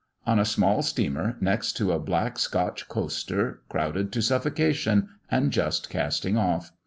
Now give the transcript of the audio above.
On a small steamer, next to a black Scotch coaster, crowded to suffocation, and just casting off.